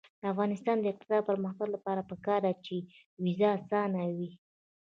د افغانستان د اقتصادي پرمختګ لپاره پکار ده چې ویزه اسانه وي.